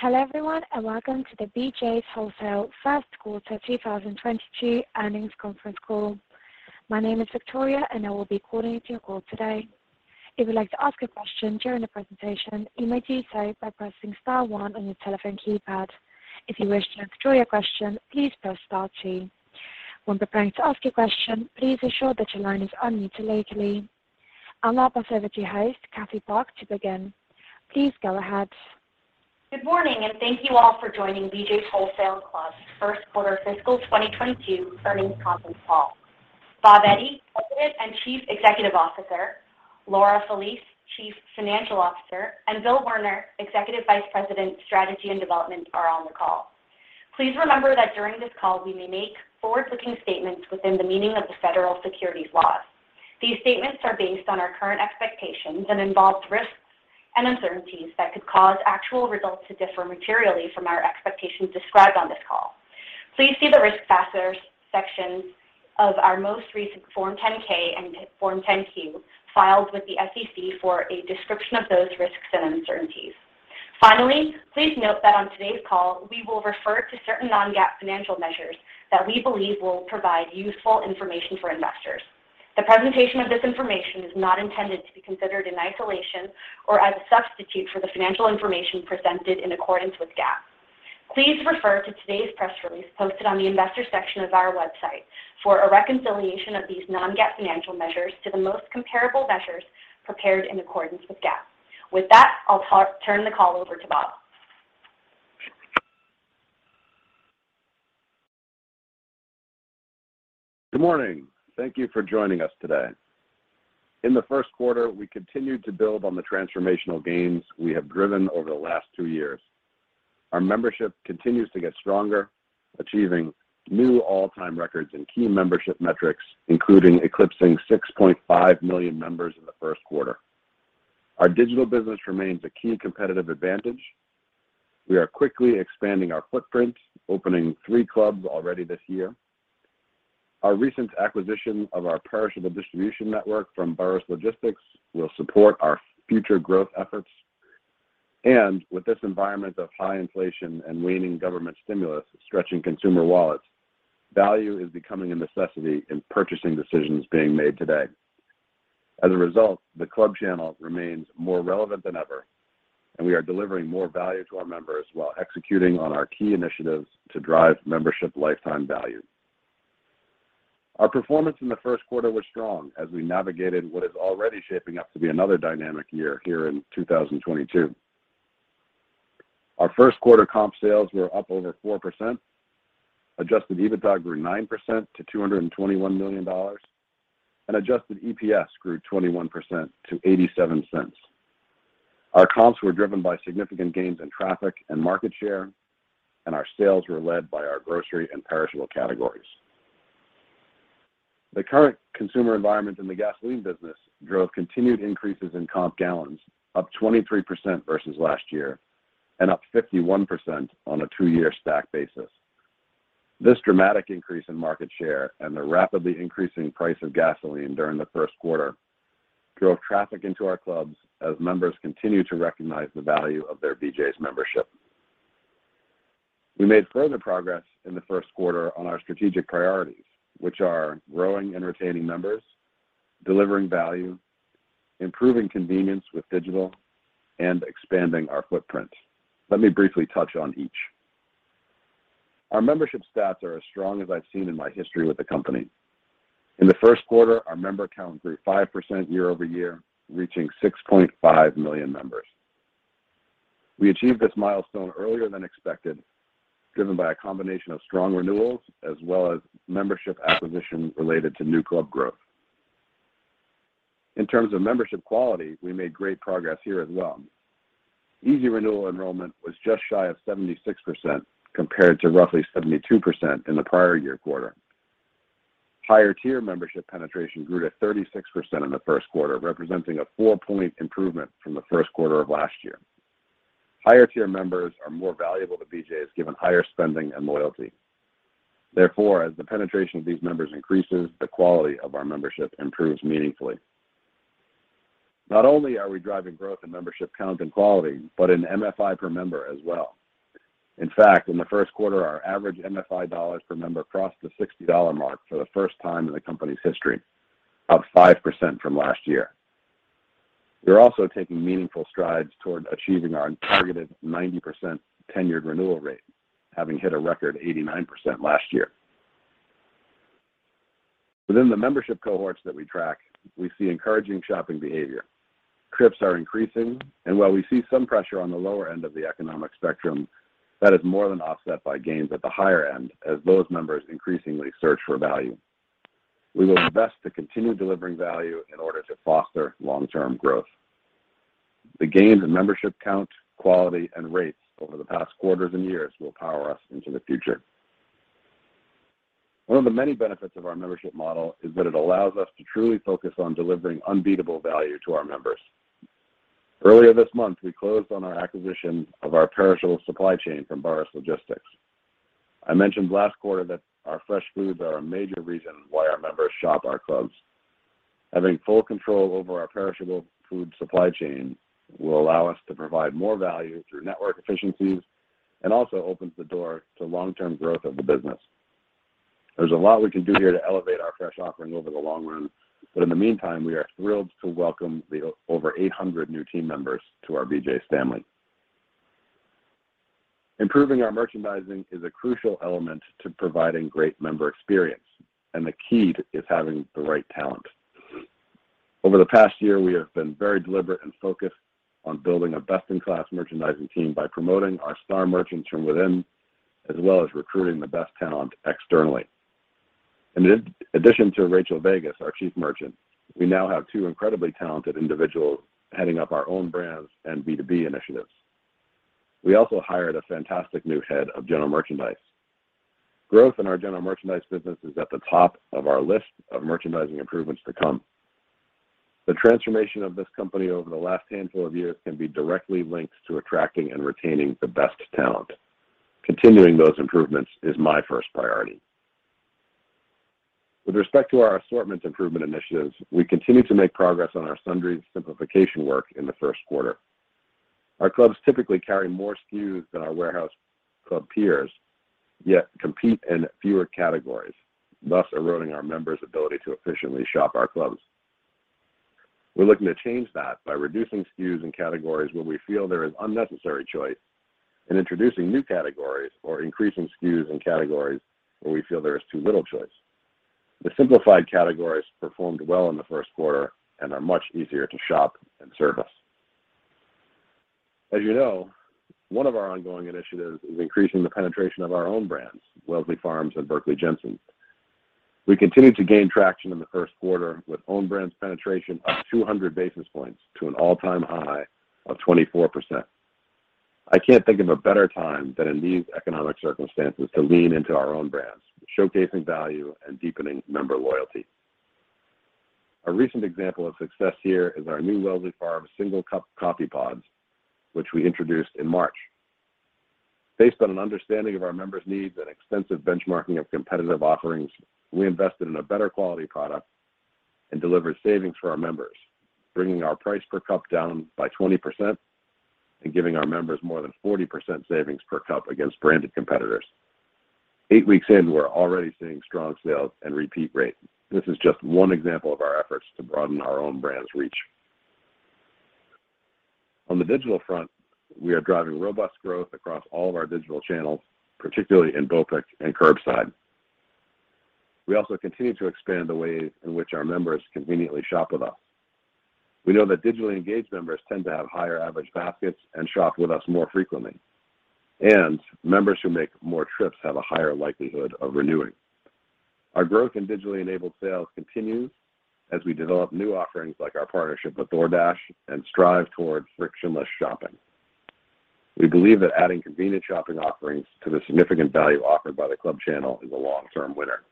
Hello everyone, and welcome to the BJ's Wholesale Club first quarter 2022 earnings conference call. My name is Victoria, and I will be coordinating your call today. If you'd like to ask a question during the presentation, you may do so by pressing star one on your telephone keypad. If you wish to withdraw your question, please press star two. When preparing to ask a question, please ensure that your line is unmuted locally. I'll now pass over to host, Catherine Park, to begin. Please go ahead. Good morning, and thank you all for joining BJ's Wholesale Club first quarter fiscal 2022 earnings conference call. Bob Eddy, President and Chief Executive Officer, Laura Felice, Chief Financial Officer, and Bill Werner, Executive Vice President, Strategy and Development, are on the call. Please remember that during this call, we may make forward-looking statements within the meaning of the federal securities laws. These statements are based on our current expectations and involve risks and uncertainties that could cause actual results to differ materially from our expectations described on this call. Please see the Risk Factors sections of our most recent Form 10-K and Form 10-Q filed with the SEC for a description of those risks and uncertainties. Finally, please note that on today's call, we will refer to certain non-GAAP financial measures that we believe will provide useful information for investors. The presentation of this information is not intended to be considered in isolation or as a substitute for the financial information presented in accordance with GAAP. Please refer to today's press release posted on the investor section of our website for a reconciliation of these non-GAAP financial measures to the most comparable measures prepared in accordance with GAAP. With that, I'll turn the call over to Bob. Good morning. Thank you for joining us today. In the first quarter, we continued to build on the transformational gains we have driven over the last 2 years. Our membership continues to get stronger, achieving new all-time records in key membership metrics, including eclipsing 6.5 million members in the first quarter. Our digital business remains a key competitive advantage. We are quickly expanding our footprint, opening 3 clubs already this year. Our recent acquisition of our perishable distribution network from Burris Logistics will support our future growth efforts. With this environment of high inflation and waning government stimulus stretching consumer wallets, value is becoming a necessity in purchasing decisions being made today. As a result, the club channel remains more relevant than ever, and we are delivering more value to our members while executing on our key initiatives to drive membership lifetime value. Our performance in the first quarter was strong as we navigated what is already shaping up to be another dynamic year here in 2022. Our first quarter comp sales were up over 4%. Adjusted EBITDA grew 9% to $221 million. Adjusted EPS grew 21% to $0.87. Our comps were driven by significant gains in traffic and market share, and our sales were led by our grocery and perishable categories. The current consumer environment in the gasoline business drove continued increases in comp gallons, up 23% versus last year and up 51% on a two-year stack basis. This dramatic increase in market share and the rapidly increasing price of gasoline during the first quarter drove traffic into our clubs as members continue to recognize the value of their BJ's membership. We made further progress in the first quarter on our strategic priorities, which are growing and retaining members, delivering value, improving convenience with digital, and expanding our footprint. Let me briefly touch on each. Our membership stats are as strong as I've seen in my history with the company. In the first quarter, our member count grew 5% year-over-year, reaching 6.5 million members. We achieved this milestone earlier than expected, driven by a combination of strong renewals as well as membership acquisition related to new club growth. In terms of membership quality, we made great progress here as well. Easy renewal enrollment was just shy of 76%, compared to roughly 72% in the prior year quarter. Higher tier membership penetration grew to 36% in the first quarter, representing a 4-point improvement from the first quarter of last year. Higher tier members are more valuable to BJ's, given higher spending and loyalty. Therefore, as the penetration of these members increases, the quality of our membership improves meaningfully. Not only are we driving growth in membership count and quality, but in MFI per member as well. In fact, in the first quarter, our average MFI dollars per member crossed the $60 mark for the first time in the company's history, up 5% from last year. We're also taking meaningful strides toward achieving our targeted 90% tenured renewal rate, having hit a record 89% last year. Within the membership cohorts that we track, we see encouraging shopping behavior. Trips are increasing, and while we see some pressure on the lower end of the economic spectrum, that is more than offset by gains at the higher end as those members increasingly search for value. We will invest to continue delivering value in order to foster long-term growth. The gains in membership count, quality, and rates over the past quarters and years will power us into the future. One of the many benefits of our membership model is that it allows us to truly focus on delivering unbeatable value to our members. Earlier this month, we closed on our acquisition of our perishable supply chain from Burris Logistics. I mentioned last quarter that our fresh foods are a major reason why our members shop our clubs. Having full control over our perishable food supply chain will allow us to provide more value through network efficiencies and also opens the door to long-term growth of the business. There's a lot we can do here to elevate our fresh offering over the long run, but in the meantime, we are thrilled to welcome over 800 new team members to our BJ's family. Improving our merchandising is a crucial element to providing great member experience, and the key is having the right talent. Over the past year, we have been very deliberate and focused on building a best-in-class merchandising team by promoting our star merchants from within, as well as recruiting the best talent externally. In addition to Rachael Vegas, our Chief Merchant, we now have two incredibly talented individuals heading up our own brands and B2B initiatives. We also hired a fantastic new head of general merchandise. Growth in our general merchandise business is at the top of our list of merchandising improvements to come. The transformation of this company over the last handful of years can be directly linked to attracting and retaining the best talent. Continuing those improvements is my first priority. With respect to our assortment improvement initiatives, we continue to make progress on our sundries simplification work in the first quarter. Our clubs typically carry more SKUs than our warehouse club peers, yet compete in fewer categories, thus eroding our members' ability to efficiently shop our clubs. We're looking to change that by reducing SKUs and categories where we feel there is unnecessary choice, and introducing new categories or increasing SKUs and categories where we feel there is too little choice. The simplified categories performed well in the first quarter and are much easier to shop and service. As you know, one of our ongoing initiatives is increasing the penetration of our own brands, Wellsley Farms and Berkley Jensen. We continued to gain traction in the first quarter with own brands penetration up 200 basis points to an all-time high of 24%. I can't think of a better time than in these economic circumstances to lean into our own brands, showcasing value and deepening member loyalty. A recent example of success here is our new Wellsley Farms single cup coffee pods, which we introduced in March. Based on an understanding of our members' needs and extensive benchmarking of competitive offerings, we invested in a better quality product and delivered savings for our members, bringing our price per cup down by 20% and giving our members more than 40% savings per cup against branded competitors. Eight weeks in, we're already seeing strong sales and repeat rate. This is just one example of our efforts to broaden our own brand's reach. On the digital front, we are driving robust growth across all of our digital channels, particularly in BOPIS and curbside. We also continue to expand the ways in which our members conveniently shop with us. We know that digitally engaged members tend to have higher average baskets and shop with us more frequently, and members who make more trips have a higher likelihood of renewing. Our growth in digitally enabled sales continues as we develop new offerings like our partnership with DoorDash and strive towards frictionless shopping. We believe that adding convenient shopping offerings to the significant value offered by the club channel is a long-term winner.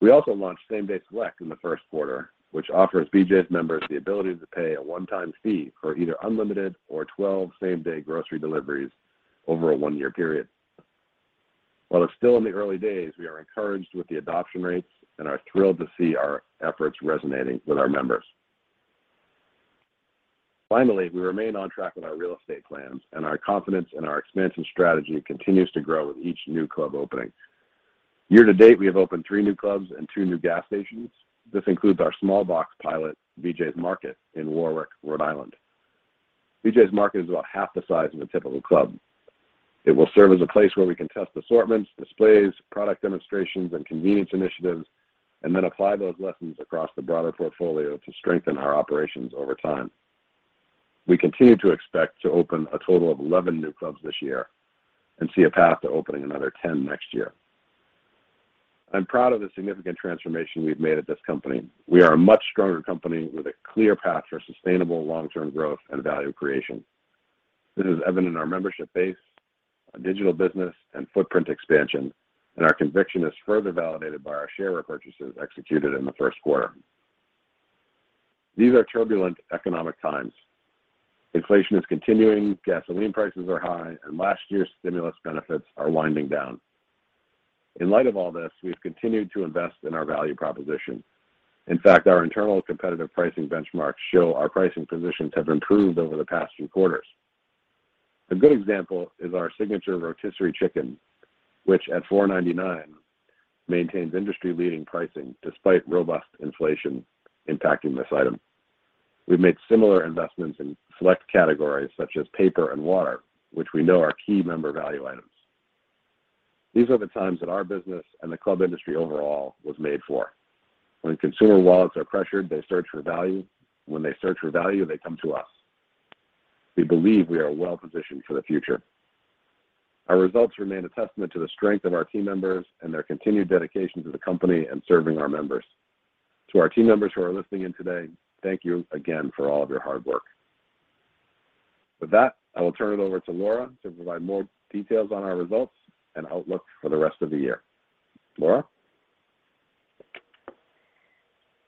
We also launched Same-Day Select in the first quarter, which offers BJ's members the ability to pay a one-time fee for either unlimited or 12 same-day grocery deliveries over a one-year period. While it's still in the early days, we are encouraged with the adoption rates and are thrilled to see our efforts resonating with our members. Finally, we remain on track with our real estate plans and our confidence in our expansion strategy continues to grow with each new club opening. Year to date, we have opened 3 new clubs and 2 new gas stations. This includes our small box pilot, BJ's Market, in Warwick, Rhode Island. BJ's Market is about half the size of a typical club. It will serve as a place where we can test assortments, displays, product demonstrations, and convenience initiatives, and then apply those lessons across the broader portfolio to strengthen our operations over time. We continue to expect to open a total of 11 new clubs this year and see a path to opening another 10 next year. I'm proud of the significant transformation we've made at this company. We are a much stronger company with a clear path for sustainable long-term growth and value creation. This is evident in our membership base, our digital business, and footprint expansion, and our conviction is further validated by our share repurchases executed in the first quarter. These are turbulent economic times. Inflation is continuing, gasoline prices are high, and last year's stimulus benefits are winding down. In light of all this, we've continued to invest in our value proposition. In fact, our internal competitive pricing benchmarks show our pricing positions have improved over the past few quarters. A good example is our signature rotisserie chicken, which at $4.99 maintains industry-leading pricing despite robust inflation impacting this item. We've made similar investments in select categories such as paper and water, which we know are key member value items. These are the times that our business and the club industry overall was made for. When consumer wallets are pressured, they search for value. When they search for value, they come to us. We believe we are well-positioned for the future. Our results remain a testament to the strength of our team members and their continued dedication to the company and serving our members. To our team members who are listening in today, thank you again for all of your hard work. With that, I will turn it over to Laura to provide more details on our results and outlook for the rest of the year. Laura?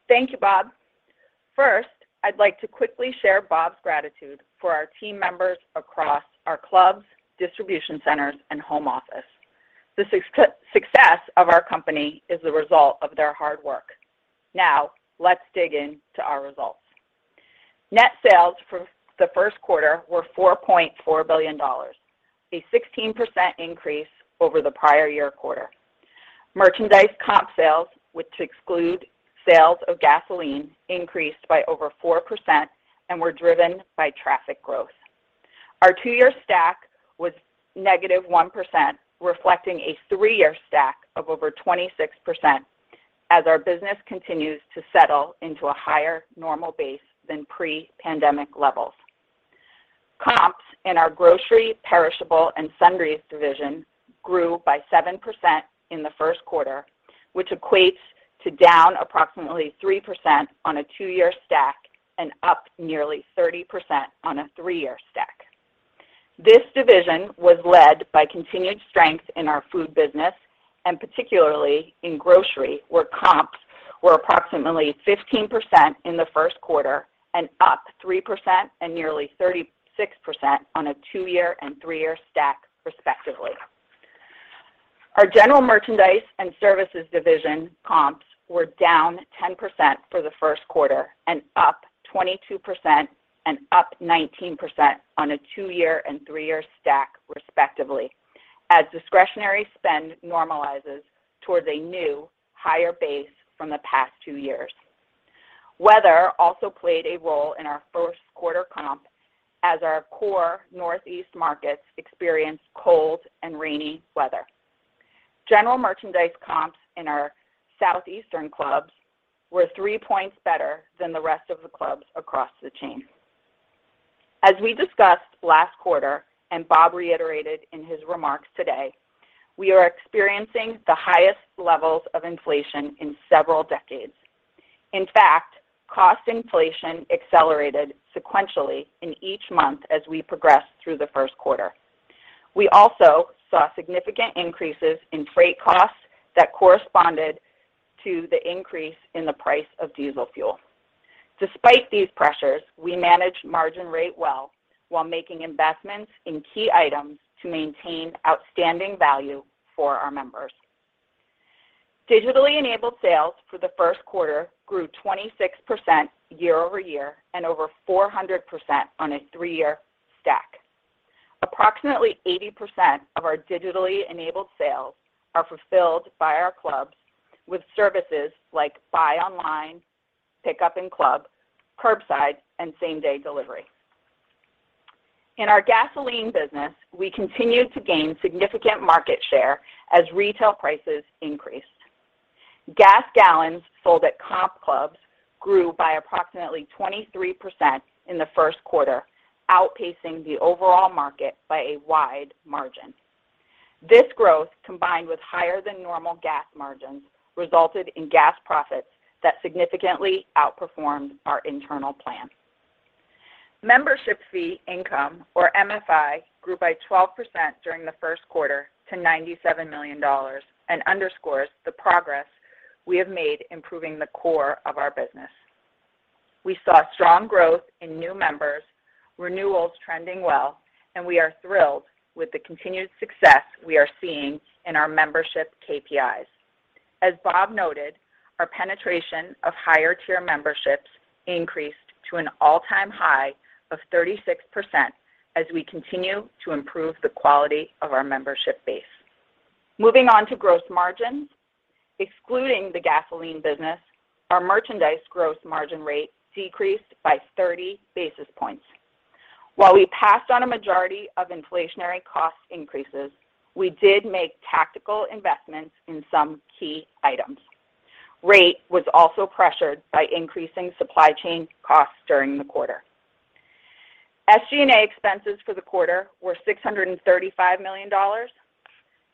Thank you, Bob. First, I'd like to quickly share Bob's gratitude for our team members across our clubs, distribution centers and home office. The success of our company is the result of their hard work. Now, let's dig in to our results. Net sales for the first quarter were $4.4 billion, a 16% increase over the prior year quarter. Merchandise comp sales, which exclude sales of gasoline, increased by over 4% and were driven by traffic growth. Our two-year stack was -1%, reflecting a three-year stack of over 26% as our business continues to settle into a higher normal base than pre-pandemic levels. Comps in our grocery, perishable, and sundries division grew by 7% in the first quarter, which equates to down approximately 3% on a two-year stack and up nearly 30% on a three-year stack. This division was led by continued strength in our food business, and particularly in grocery, where comps were approximately 15% in the first quarter and up 3% and nearly 36% on a two-year and three-year stack, respectively. Our general merchandise and services division comps were down 10% for the first quarter and up 22% and up 19% on a two-year and three-year stack, respectively, as discretionary spend normalizes towards a new higher base from the past two years. Weather also played a role in our first quarter comp as our core Northeast markets experienced cold and rainy weather. General merchandise comps in our Southeastern clubs were 3 points better than the rest of the clubs across the chain. As we discussed last quarter and Bob reiterated in his remarks today, we are experiencing the highest levels of inflation in several decades. In fact, cost inflation accelerated sequentially in each month as we progressed through the first quarter. We also saw significant increases in freight costs that corresponded to the increase in the price of diesel fuel. Despite these pressures, we managed margin rate well while making investments in key items to maintain outstanding value for our members. Digitally enabled sales for the first quarter grew 26% year over year and over 400% on a three-year stack. Approximately 80% of our digitally enabled sales are fulfilled by our clubs with services like buy online, pick up in club, curbside, and same-day delivery. In our gasoline business, we continued to gain significant market share as retail prices increased. Gas gallons sold at comp clubs grew by approximately 23% in the first quarter, outpacing the overall market by a wide margin. This growth, combined with higher than normal gas margins, resulted in gas profits that significantly outperformed our internal plan. Membership fee income, or MFI, grew by 12% during the first quarter to $97 million and underscores the progress we have made improving the core of our business. We saw strong growth in new members, renewals trending well, and we are thrilled with the continued success we are seeing in our membership KPIs. As Bob noted, our penetration of higher tier memberships increased to an all-time high of 36% as we continue to improve the quality of our membership base. Moving on to gross margins. Excluding the gasoline business, our merchandise gross margin rate decreased by 30 basis points. While we passed on a majority of inflationary cost increases, we did make tactical investments in some key items. Rate was also pressured by increasing supply chain costs during the quarter. SG&A expenses for the quarter were $635 million.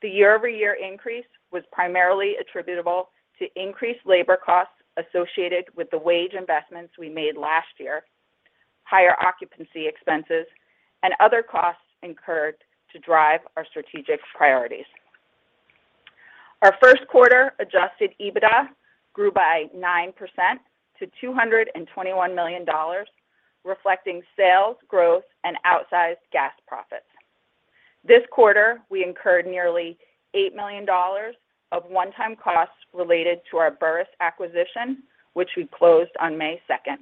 The year-over-year increase was primarily attributable to increased labor costs associated with the wage investments we made last year, higher occupancy expenses, and other costs incurred to drive our strategic priorities. Our first quarter adjusted EBITDA grew by 9% to $221 million, reflecting sales growth and outsized gas profits. This quarter, we incurred nearly $8 million of one-time costs related to our Burris acquisition, which we closed on May second.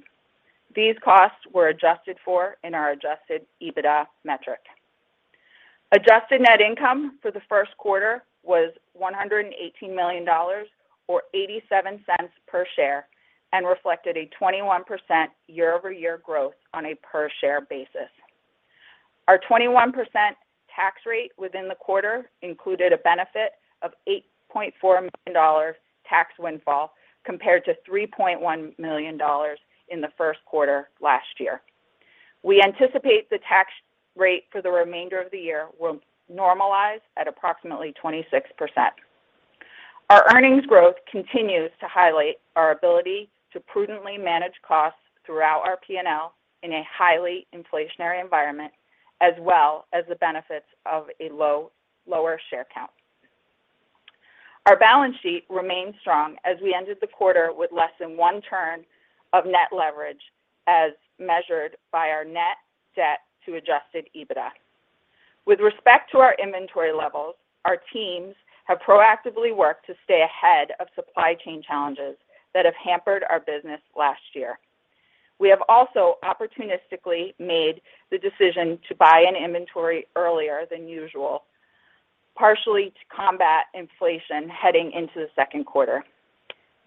These costs were adjusted for in our adjusted EBITDA metric. Adjusted net income for the first quarter was $118 million or $0.87 per share, and reflected a 21% year-over-year growth on a per-share basis. Our 21% tax rate within the quarter included a benefit of $8.4 million tax windfall compared to $3.1 million in the first quarter last year. We anticipate the tax rate for the remainder of the year will normalize at approximately 26%. Our earnings growth continues to highlight our ability to prudently manage costs throughout our P&L in a highly inflationary environment, as well as the benefits of a lower share count. Our balance sheet remains strong as we ended the quarter with less than one turn of net leverage as measured by our net debt to adjusted EBITDA. With respect to our inventory levels, our teams have proactively worked to stay ahead of supply chain challenges that have hampered our business last year. We have also opportunistically made the decision to buy an inventory earlier than usual, partially to combat inflation heading into the second quarter.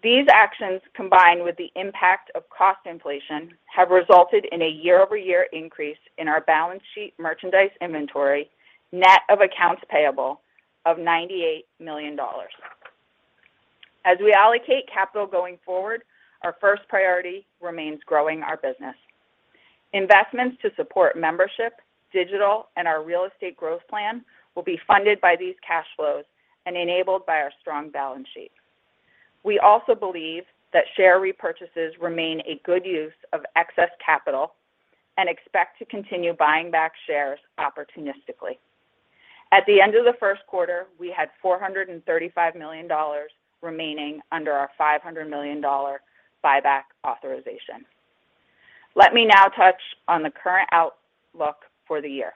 These actions, combined with the impact of cost inflation, have resulted in a year-over-year increase in our balance sheet merchandise inventory, net of accounts payable of $98 million. As we allocate capital going forward, our first priority remains growing our business. Investments to support membership, digital, and our real estate growth plan will be funded by these cash flows and enabled by our strong balance sheet. We also believe that share repurchases remain a good use of excess capital and expect to continue buying back shares opportunistically. At the end of the first quarter, we had $435 million remaining under our $500 million buyback authorization. Let me now touch on the current outlook for the year.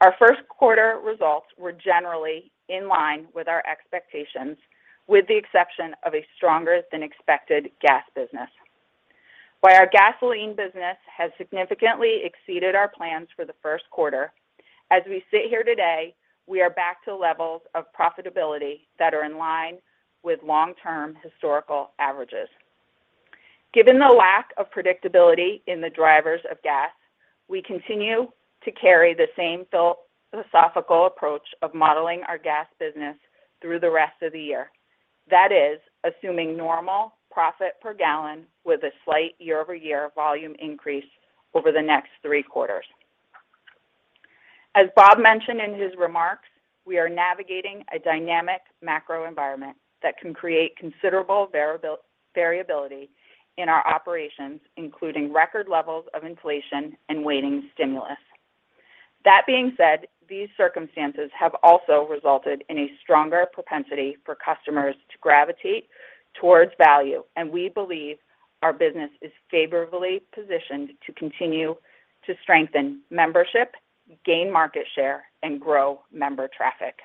Our first quarter results were generally in line with our expectations, with the exception of a stronger than expected gas business, while our gasoline business has significantly exceeded our plans for the first quarter. As we sit here today, we are back to levels of profitability that are in line with long-term historical averages. Given the lack of predictability in the drivers of gas, we continue to carry the same philosophical approach of modeling our gas business through the rest of the year. That is, assuming normal profit per gallon with a slight year-over-year volume increase over the next three quarters. As Bob mentioned in his remarks, we are navigating a dynamic macro environment that can create considerable variability in our operations, including record levels of inflation and waning stimulus. That being said, these circumstances have also resulted in a stronger propensity for customers to gravitate towards value, and we believe our business is favorably positioned to continue to strengthen membership, gain market share, and grow member traffic.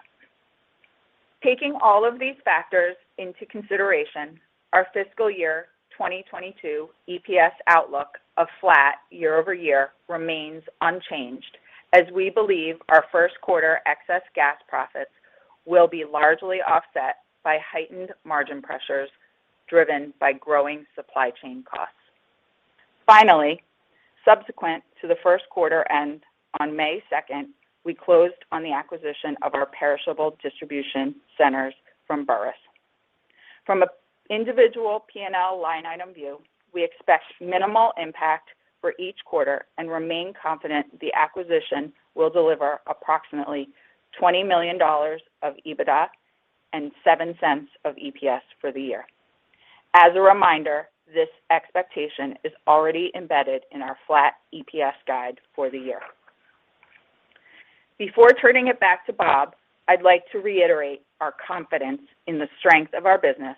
Taking all of these factors into consideration, our fiscal year 2022 EPS outlook of flat year-over-year remains unchanged as we believe our first quarter excess gas profits will be largely offset by heightened margin pressures driven by growing supply chain costs. Finally, subsequent to the first quarter end on May 2, we closed on the acquisition of our perishable distribution centers from Burris. From an individual P&L line item view, we expect minimal impact for each quarter and remain confident the acquisition will deliver approximately $20 million of EBITDA and $0.07 of EPS for the year. As a reminder, this expectation is already embedded in our flat EPS guide for the year. Before turning it back to Bob, I'd like to reiterate our confidence in the strength of our business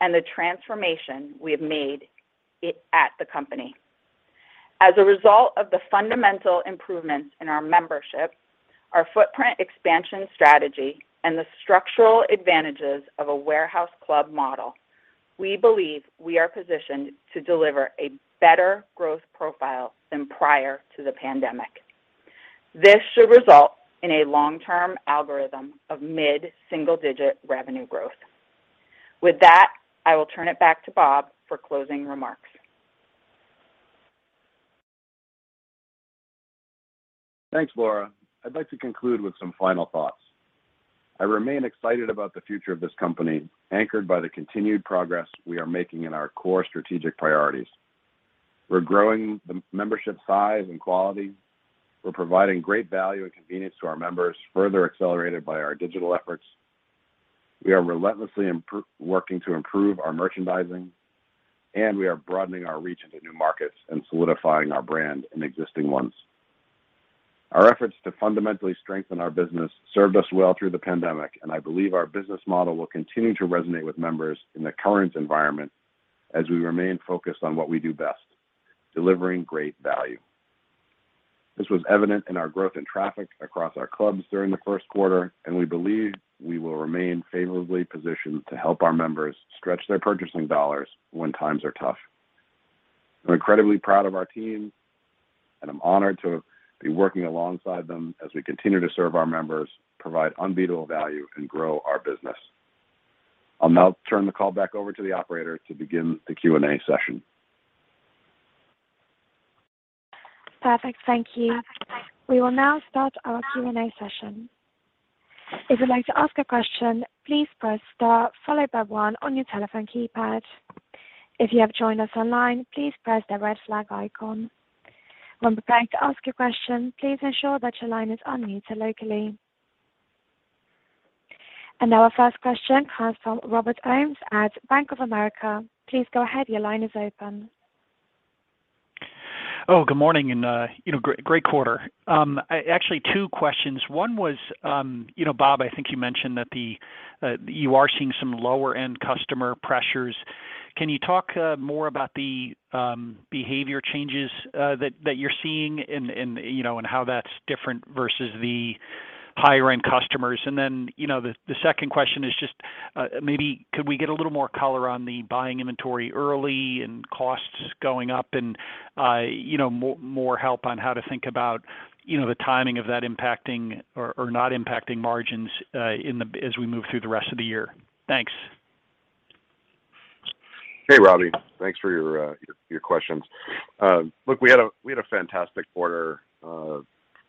and the transformation we have made at the company. As a result of the fundamental improvements in our membership, our footprint expansion strategy, and the structural advantages of a warehouse club model, we believe we are positioned to deliver a better growth profile than prior to the pandemic. This should result in a long-term algorithm of mid-single-digit revenue growth. With that, I will turn it back to Bob for closing remarks. Thanks, Laura. I'd like to conclude with some final thoughts. I remain excited about the future of this company, anchored by the continued progress we are making in our core strategic priorities. We're growing the membership size and quality. We're providing great value and convenience to our members, further accelerated by our digital efforts. We are relentlessly working to improve our merchandising, and we are broadening our reach into new markets and solidifying our brand in existing ones. Our efforts to fundamentally strengthen our business served us well through the pandemic, and I believe our business model will continue to resonate with members in the current environment as we remain focused on what we do best, delivering great value. This was evident in our growth in traffic across our clubs during the first quarter, and we believe we will remain favorably positioned to help our members stretch their purchasing dollars when times are tough. I'm incredibly proud of our team, and I'm honored to be working alongside them as we continue to serve our members, provide unbeatable value, and grow our business. I'll now turn the call back over to the operator to begin the Q&A session. Perfect. Thank you. We will now start our Q&A session. If you'd like to ask a question, please press star followed by one on your telephone keypad. If you have joined us online, please press the red flag icon. When preparing to ask your question, please ensure that your line is unmuted locally. Our first question comes from Robert Ohmes at Bank of America. Please go ahead. Your line is open. Oh, good morning, you know, great quarter. Actually two questions. One was, you know, Bob, I think you mentioned that you are seeing some lower end customer pressures. Can you talk more about the behavior changes that you're seeing and you know how that's different versus the higher end customers? Then you know the second question is just maybe could we get a little more color on the buying inventory early and costs going up and you know more help on how to think about you know the timing of that impacting or not impacting margins as we move through the rest of the year? Thanks. Hey, Robbie. Thanks for your questions. Look, we had a fantastic quarter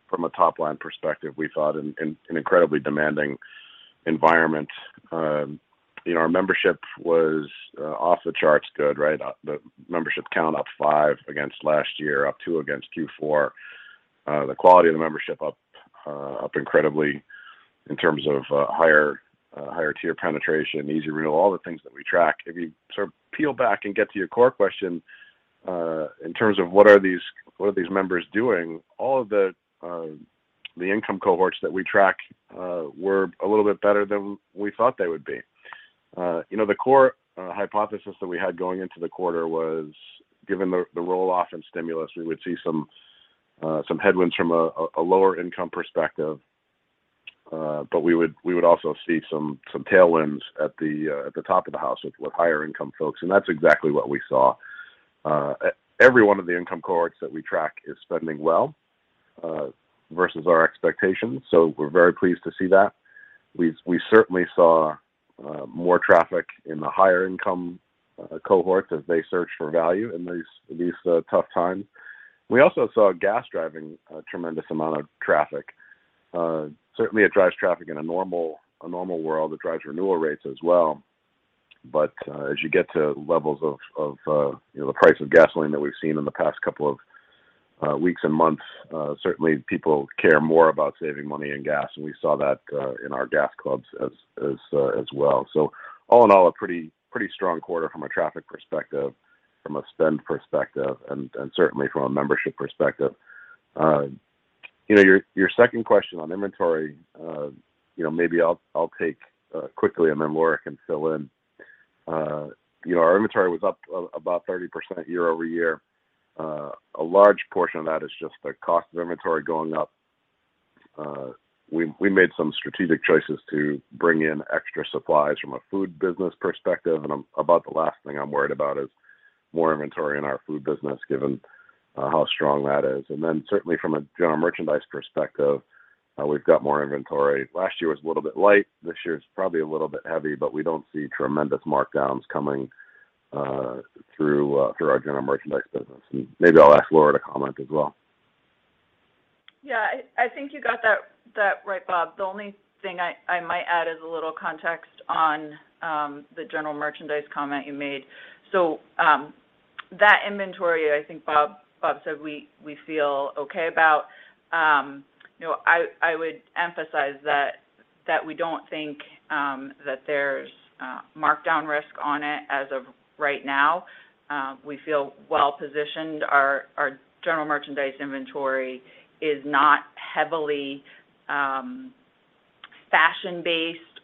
from a top line perspective we thought in an incredibly demanding environment. You know, our membership was off the charts good, right? The membership count up 5 against last year, up 2 against Q4. The quality of the membership up incredibly in terms of higher tier penetration, easy renewal, all the things that we track. If you sort of peel back and get to your core question in terms of what are these members doing, all of the income cohorts that we track were a little bit better than we thought they would be. You know, the core hypothesis that we had going into the quarter was, given the roll-off in stimulus, we would see some headwinds from a lower income perspective, but we would also see some tailwinds at the top of the house with higher income folks, and that's exactly what we saw. Every one of the income cohorts that we track is spending well versus our expectations, so we're very pleased to see that. We certainly saw more traffic in the higher income cohorts as they searched for value in these tough times. We also saw gas driving a tremendous amount of traffic. Certainly it drives traffic in a normal world. It drives renewal rates as well. As you get to levels of you know, the price of gasoline that we've seen in the past couple of weeks and months, certainly people care more about saving money in gas, and we saw that in our gas clubs as well. All in all, a pretty strong quarter from a traffic perspective, from a spend perspective, and certainly from a membership perspective. You know, your second question on inventory, you know, maybe I'll take quickly and then Laura can fill in. Our inventory was up about 30% year-over-year. A large portion of that is just the cost of inventory going up. We made some strategic choices to bring in extra supplies from a food business perspective, and about the last thing I'm worried about is more inventory in our food business, given how strong that is. Then certainly from a general merchandise perspective, we've got more inventory. Last year was a little bit light. This year is probably a little bit heavy, but we don't see tremendous markdowns coming through our general merchandise business. Maybe I'll ask Laura to comment as well. Yeah. I think you got that right, Bob. The only thing I might add is a little context on the general merchandise comment you made. That inventory, I think Bob said we feel okay about, you know, I would emphasize that we don't think that there's markdown risk on it as of right now. We feel well positioned. Our general merchandise inventory is not heavily fashion-based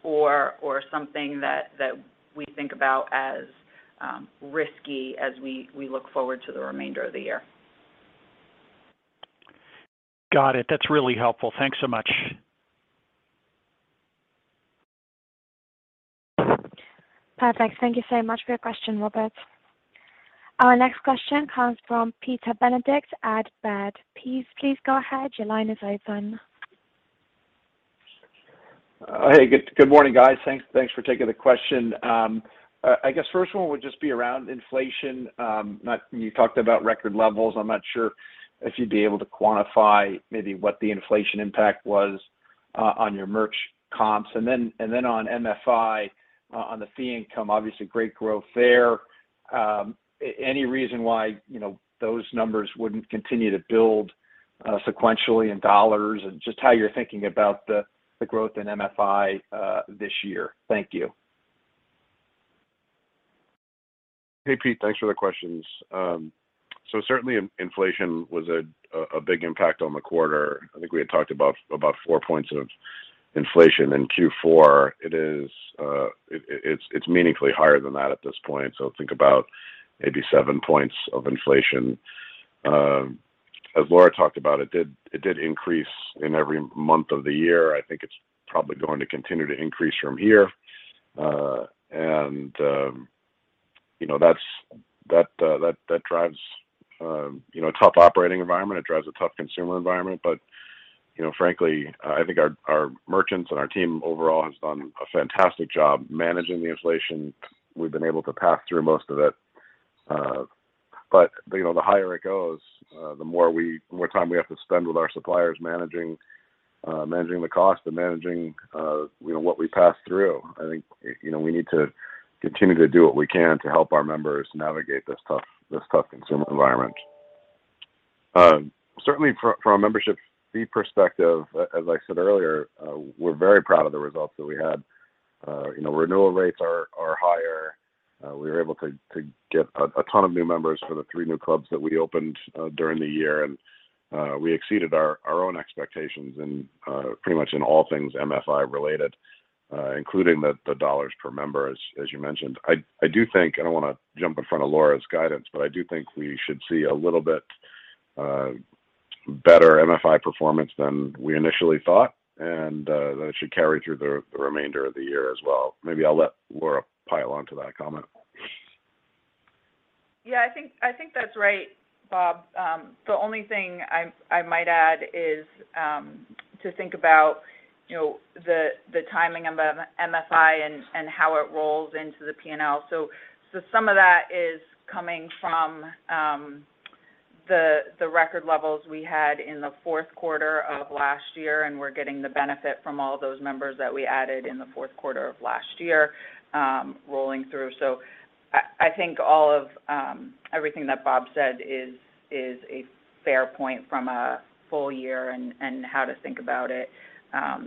or something that we think about as risky as we look forward to the remainder of the year. Got it. That's really helpful. Thanks so much. Perfect. Thank you so much for your question, Robert. Our next question comes from Peter Benedict at Baird. Please go ahead. Your line is open. Hey. Good morning, guys. Thanks for taking the question. I guess first one would just be around inflation. You talked about record levels. I'm not sure if you'd be able to quantify maybe what the inflation impact was on your merch comps. And then on MFI, on the fee income, obviously great growth there. Any reason why, you know, those numbers wouldn't continue to build sequentially in dollars and just how you're thinking about the growth in MFI this year. Thank you. Hey, Pete. Thanks for the questions. Certainly inflation was a big impact on the quarter. I think we had talked about 4 points of inflation in Q4. It's meaningfully higher than that at this point, so think about maybe 7 points of inflation. As Laura talked about, it did increase in every month of the year. I think it's probably going to continue to increase from here. You know, that drives you know, a tough operating environment. It drives a tough consumer environment. You know, frankly, I think our merchants and our team overall has done a fantastic job managing the inflation. We've been able to pass through most of it. You know, the higher it goes, the more time we have to spend with our suppliers managing the cost and managing what we pass through. I think we need to continue to do what we can to help our members navigate this tough consumer environment. Certainly from a membership fee perspective, as I said earlier, we're very proud of the results that we had. Renewal rates are higher. We were able to get a ton of new members for the three new clubs that we opened during the year. We exceeded our own expectations in pretty much all things MFI related, including the dollars per member as you mentioned. I do think I don't wanna jump in front of Laura's guidance, but I do think we should see a little bit better MFI performance than we initially thought, and that it should carry through the remainder of the year as well. Maybe I'll let Laura pile onto that comment. Yeah, I think that's right, Bob. The only thing I might add is to think about, you know, the timing of MFI and how it rolls into the P&L. Some of that is coming from the record levels we had in the fourth quarter of last year, and we're getting the benefit from all those members that we added in the fourth quarter of last year rolling through. I think all of everything that Bob said is a fair point from a full year and how to think about it.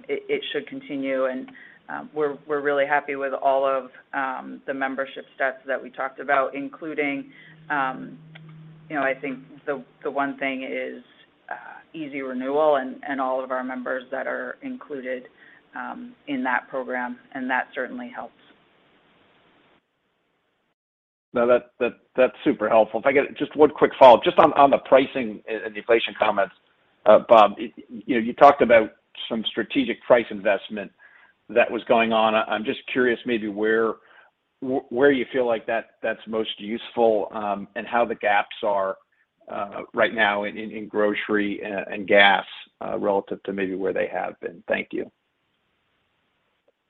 It should continue, and we're really happy with all of the membership stats that we talked about, including, you know, I think the one thing is easy renewal and all of our members that are included in that program, and that certainly helps. No, that's super helpful. If I could, just one quick follow-up, just on the pricing and deflation comments, Bob. You know, you talked about some strategic price investment that was going on. I'm just curious maybe where you feel like that's most useful, and how the gaps are right now in grocery and gas relative to maybe where they have been. Thank you.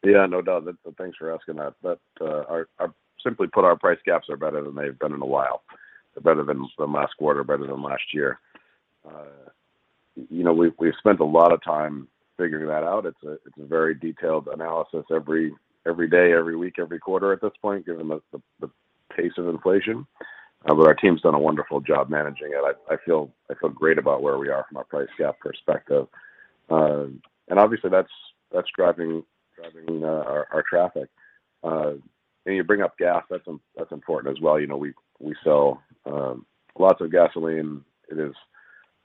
Yeah, no doubt. Thanks for asking that. Simply put, our price gaps are better than they've been in a while, better than the last quarter, better than last year. You know, we spent a lot of time figuring that out. It's a very detailed analysis every day, every week, every quarter at this point, given the pace of inflation. Our team's done a wonderful job managing it. I feel great about where we are from a price gap perspective. Obviously that's driving our traffic. You bring up gas, that's important as well. You know, we sell lots of gasoline. It is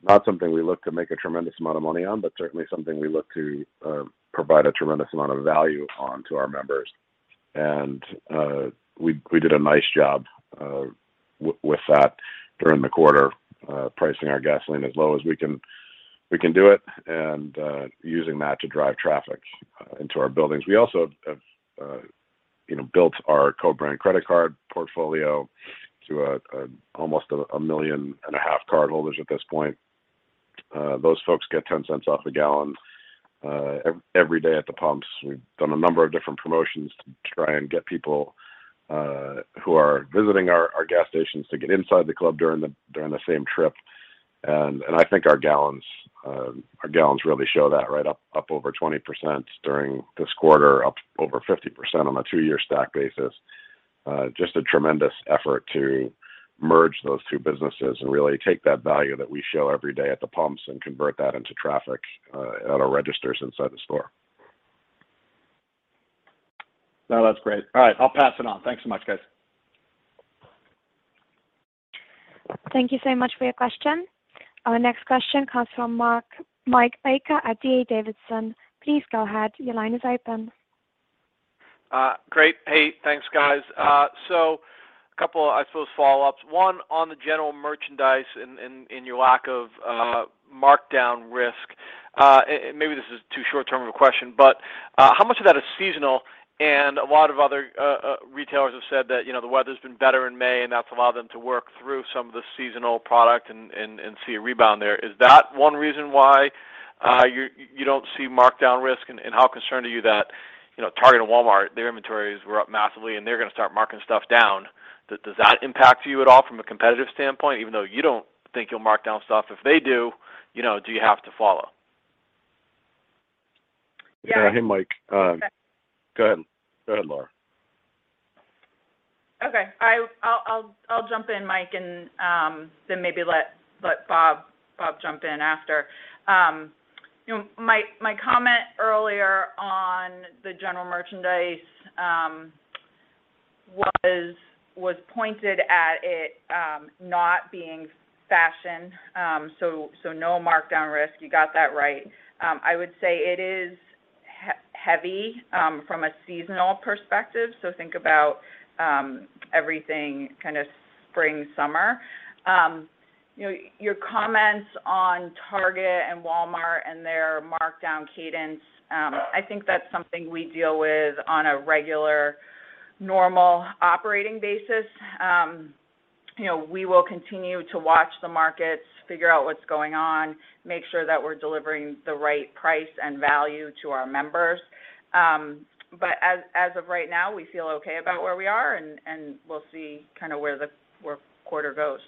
not something we look to make a tremendous amount of money on, but certainly something we look to provide a tremendous amount of value on to our members. We did a nice job with that during the quarter, pricing our gasoline as low as we can do it, and using that to drive traffic into our buildings. We also have, you know, built our co-brand credit card portfolio to almost 1.5 million cardholders at this point. Those folks get $0.10 off a gallon every day at the pumps. We've done a number of different promotions to try and get people who are visiting our gas stations to get inside the club during the same trip. I think our gallons really show that, right up over 20% during this quarter, up over 50% on a two-year stack basis. Just a tremendous effort to merge those two businesses and really take that value that we show every day at the pumps and convert that into traffic at our registers inside the store. No, that's great. All right, I'll pass it on. Thanks so much, guys. Thank you so much for your question. Our next question comes from Mike Baker at D.A. Davidson. Please go ahead. Your line is open. Great. Hey, thanks, guys. So couple, I suppose, follow-ups. One on the general merchandise and your lack of markdown risk. And maybe this is too short-term of a question, but how much of that is seasonal? A lot of other retailers have said that, you know, the weather's been better in May and that's allowed them to work through some of the seasonal product and see a rebound there. Is that one reason why you don't see markdown risk? And how concerned are you that, you know, Target and Walmart, their inventories were up massively and they're gonna start marking stuff down? Does that impact you at all from a competitive standpoint? Even though you don't think you'll markdown stuff, if they do, you know, do you have to follow? Yeah. Yeah. Hey, Mike. Okay. Go ahead, Laura. Okay. I'll jump in, Mike, and then maybe let Bob jump in after. You know, my comment earlier on the general merchandise was pointed at it not being fashion, so no markdown risk. You got that right. I would say it is heavy from a seasonal perspective, so think about everything kind of spring/summer. You know, your comments on Target and Walmart and their markdown cadence, I think that's something we deal with on a regular, normal operating basis. You know, we will continue to watch the markets, figure out what's going on, make sure that we're delivering the right price and value to our members. As of right now, we feel okay about where we are and we'll see kind of where the quarter goes.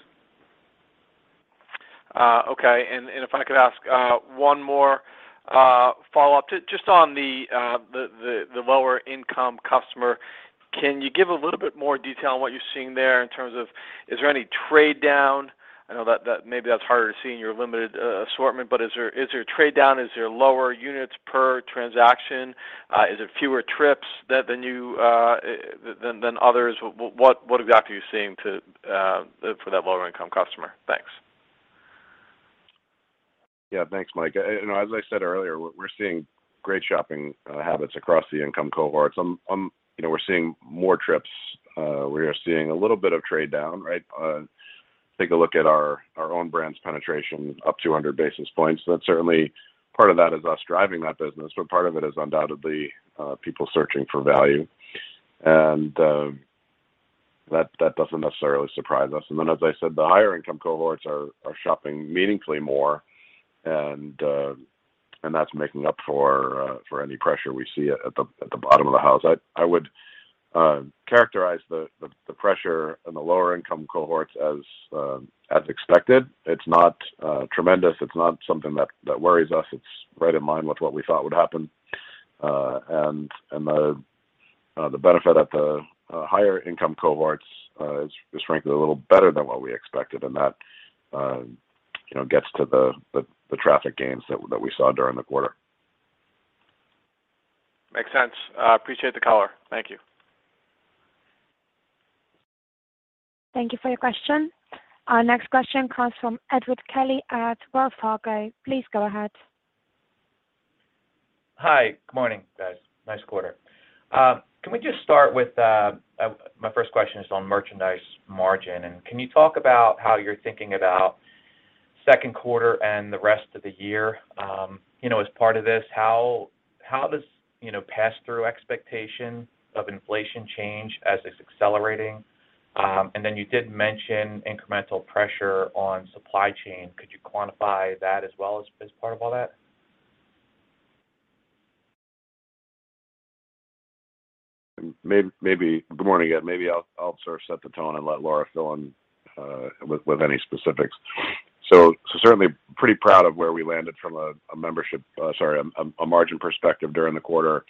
Okay. If I could ask one more follow-up. Just on the lower income customer, can you give a little bit more detail on what you're seeing there in terms of is there any trade down? I know that maybe that's harder to see in your limited assortment, but is there trade down? Is there lower units per transaction? Is it fewer trips than others? What exactly are you seeing for that lower income customer? Thanks. Yeah. Thanks, Mike. As I said earlier, we're seeing great shopping habits across the income cohorts. You know, we're seeing more trips. We are seeing a little bit of trade down, right? Take a look at our own brands penetration up 200 basis points. That's certainly part of that is us driving that business, but part of it is undoubtedly people searching for value. That doesn't necessarily surprise us. Then as I said, the higher income cohorts are shopping meaningfully more and that's making up for any pressure we see at the bottom of the house. I would characterize the pressure in the lower income cohorts as expected. It's not tremendous. It's not something that worries us. It's right in line with what we thought would happen. The benefit at the higher income cohorts is frankly a little better than what we expected. That, you know, gets to the traffic gains that we saw during the quarter. Makes sense. Appreciate the color. Thank you. Thank you for your question. Our next question comes from Edward Kelly at Wells Fargo. Please go ahead. Hi. Good morning, guys. Nice quarter. Can we just start with my first question is on merchandise margin, and can you talk about how you're thinking about second quarter and the rest of the year? You know, as part of this, how does you know, pass through expectation of inflation change as it's accelerating? Then you did mention incremental pressure on supply chain. Could you quantify that as well as part of all that? Good morning, Ed. Maybe I'll sort of set the tone and let Laura fill in with any specifics. Certainly pretty proud of where we landed from a margin perspective during the quarter.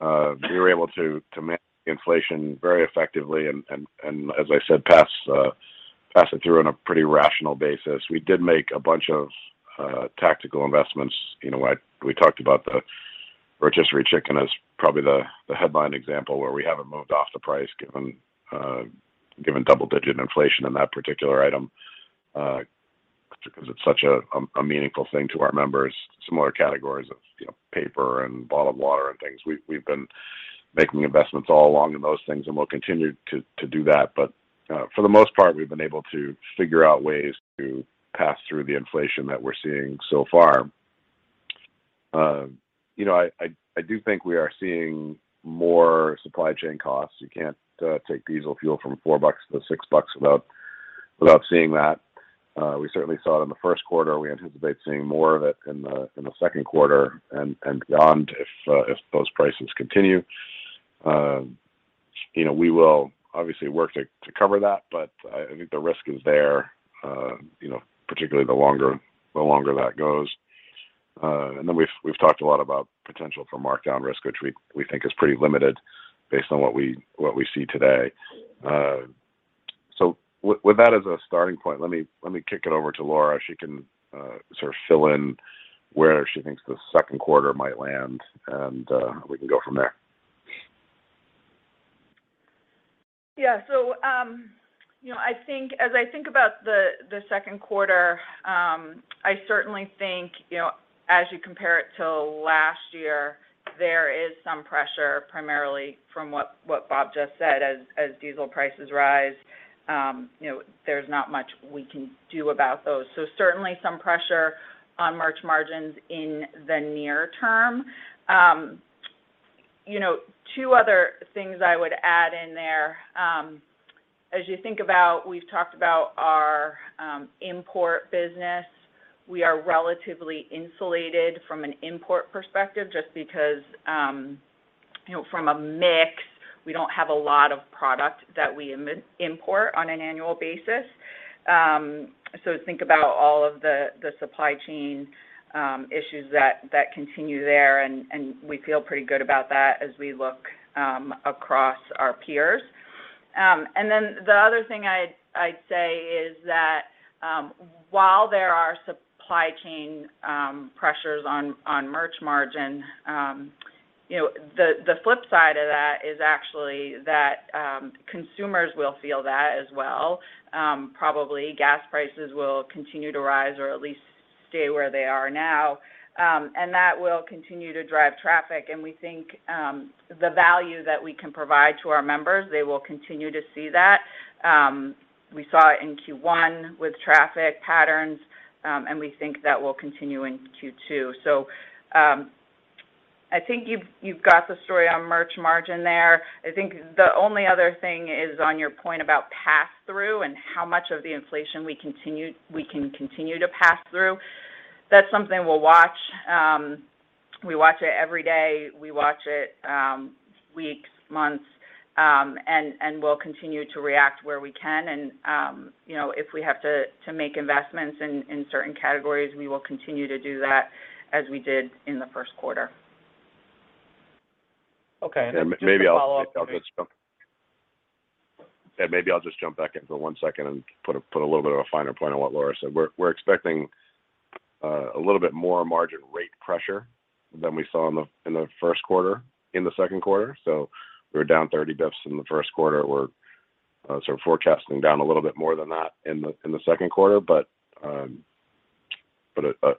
We were able to manage inflation very effectively and as I said, pass it through on a pretty rational basis. We did make a bunch of tactical investments. You know, we talked about the rotisserie chicken as probably the headline example where we haven't moved off the price given double-digit inflation in that particular item because it's such a meaningful thing to our members. Similar categories of, you know, paper and bottled water and things. We've been making investments all along in those things, and we'll continue to do that. For the most part, we've been able to figure out ways to pass through the inflation that we're seeing so far. You know, I do think we are seeing more supply chain costs. You can't take diesel fuel from $4-$6 without seeing that. We certainly saw it in the first quarter. We anticipate seeing more of it in the second quarter and beyond if those prices continue. You know, we will obviously work to cover that, but I think the risk is there, particularly the longer that goes. We've talked a lot about potential for markdown risk, which we think is pretty limited based on what we see today. With that as a starting point, let me kick it over to Laura. She can sort of fill in where she thinks the second quarter might land, and we can go from there. Yeah. You know, I think as I think about the second quarter, I certainly think, you know, as you compare it to last year, there is some pressure primarily from what Bob just said as diesel prices rise. You know, there's not much we can do about those. Certainly some pressure on merch margins in the near term. You know, two other things I would add in there, as you think about we've talked about our import business. We are relatively insulated from an import perspective just because, you know, from a mix, we don't have a lot of product that we import on an annual basis. Think about all of the supply chain issues that continue there, and we feel pretty good about that as we look across our peers. The other thing I'd say is that while there are supply chain pressures on merch margin, you know, the flip side of that is actually that consumers will feel that as well. Probably gas prices will continue to rise or at least stay where they are now. That will continue to drive traffic. We think the value that we can provide to our members, they will continue to see that. We saw it in Q1 with traffic patterns, and we think that will continue in Q2. I think you've got the story on merch margin there. I think the only other thing is on your point about pass through and how much of the inflation we can continue to pass through. That's something we'll watch. We watch it every day, weeks, months, and we'll continue to react where we can. You know, if we have to make investments in certain categories, we will continue to do that as we did in the first quarter. Okay. Just a follow-up- Maybe I'll just jump back in for one second and put a little bit of a finer point on what Laura said. We're expecting a little bit more margin rate pressure than we saw in the first quarter in the second quarter. We were down 30 basis points in the first quarter. We're sort of forecasting down a little bit more than that in the second quarter. A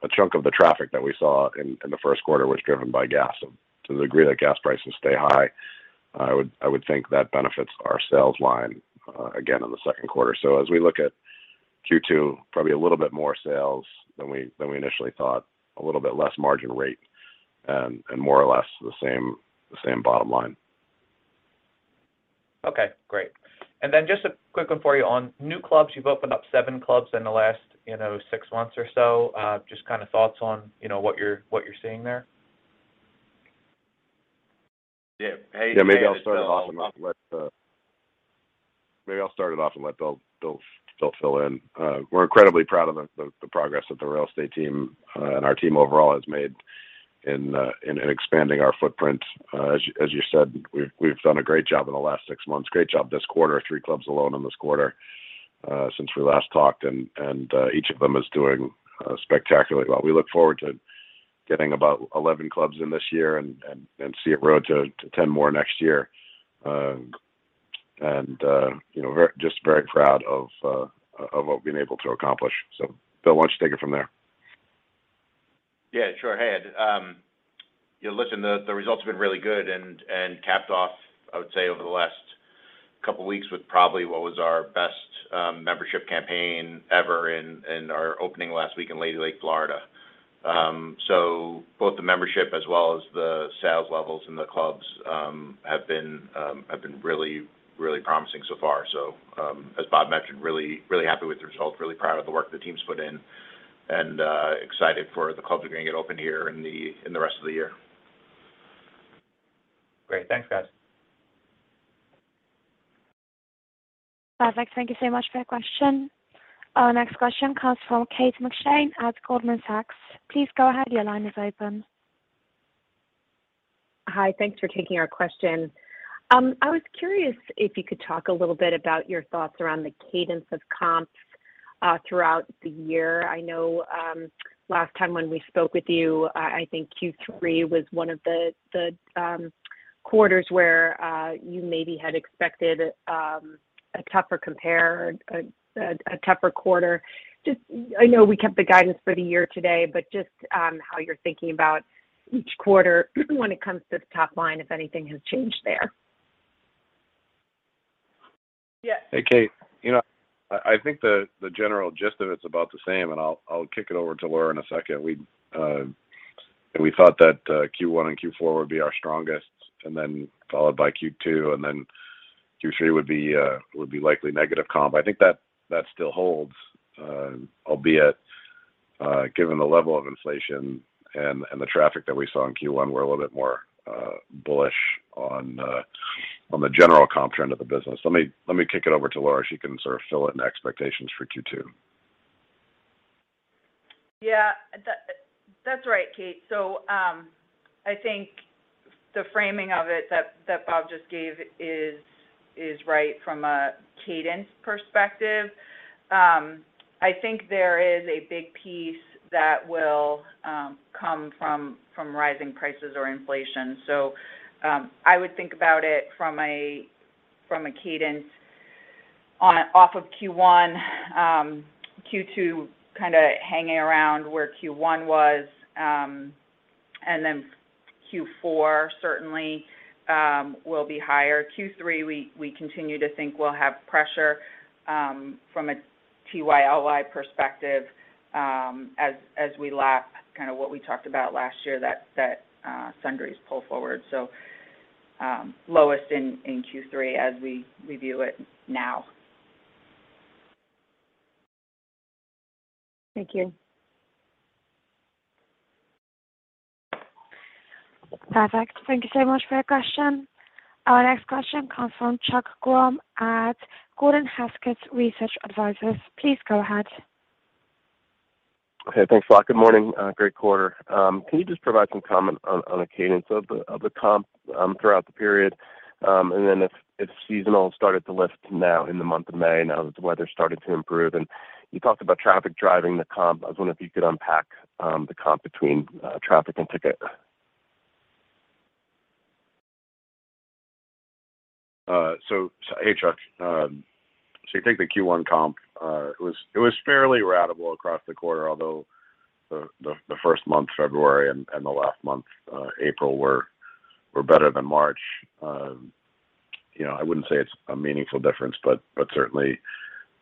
chunk of the traffic that we saw in the first quarter was driven by gas. To the degree that gas prices stay high, I would think that benefits our sales line again in the second quarter. As we look at Q2, probably a little bit more sales than we initially thought, a little bit less margin rate, and more or less the same bottom line. Okay. Great. Just a quick one for you on new clubs. You've opened up 7 clubs in the last, you know, 6 months or so. Just kind of thoughts on, you know, what you're seeing there. Yeah. Maybe I'll start it off and let Bill fill in. We're incredibly proud of the progress that the real estate team and our team overall has made in expanding our footprint. As you said, we've done a great job in the last 6 months, great job this quarter, 3 clubs alone in this quarter, since we last talked, and each of them is doing spectacularly well. We look forward to getting about 11 clubs in this year and see it grow to 10 more next year. You know, we're just very proud of what we've been able to accomplish. Bill, why don't you take it from there? Yeah, sure. Hey, Ed. You know, listen, the results have been really good and capped off, I would say over the last couple weeks with probably what was our best membership campaign ever in our opening last week in Lady Lake, Florida. Both the membership as well as the sales levels in the clubs have been really promising so far. As Bob mentioned, really happy with the results, really proud of the work the team's put in and excited for the clubs we're gonna get open here in the rest of the year. Great. Thanks, guys. Perfect. Thank you so much for your question. Our next question comes from Kate McShane at Goldman Sachs. Please go ahead. Your line is open. Hi. Thanks for taking our question. I was curious if you could talk a little bit about your thoughts around the cadence of comps throughout the year. I know last time when we spoke with you, I think Q3 was one of the quarters where you maybe had expected a tougher compare, a tougher quarter. Just, I know we kept the guidance for the year today, but just how you're thinking about each quarter when it comes to the top line, if anything has changed there. Hey, Kate. You know, I think the general gist of it's about the same, and I'll kick it over to Laura in a second. We thought that Q1 and Q4 would be our strongest and then followed by Q2, and then Q3 would be likely negative comp. I think that still holds, albeit given the level of inflation and the traffic that we saw in Q1, we're a little bit more bullish on the general comp trend of the business. Let me kick it over to Laura. She can sort of fill in expectations for Q2. Yeah. That's right, Kate. I think the framing of it that Bob just gave is right from a cadence perspective. I think there is a big piece that will come from rising prices or inflation. I would think about it from a cadence off of Q1, Q2 kinda hanging around where Q1 was, and then Q4 certainly will be higher. Q3, we continue to think we'll have pressure from a TYLI perspective, as we lap kinda what we talked about last year that sundries pull forward. Lowest in Q3 as we view it now. Thank you. Perfect. Thank you so much for your question. Our next question comes from Chuck Grom at Gordon Haskett Research Advisors. Please go ahead. Okay. Thanks a lot. Good morning. Great quarter. Can you just provide some comment on the cadence of the comp throughout the period? If seasonality started to lift now in the month of May now that the weather's starting to improve. You talked about traffic driving the comp. I was wondering if you could unpack the comp between traffic and ticket. Hey, Chuck. You take the Q1 comp, it was fairly ratable across the quarter, although the first month, February, and the last month, April, were better than March. You know, I wouldn't say it's a meaningful difference, but certainly